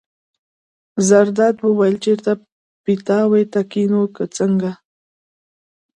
زرداد وویل: چېرته پیتاوي ته کېنو که څنګه.